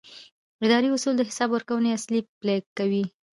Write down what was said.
اداري اصول د حساب ورکونې اصل پلي کوي.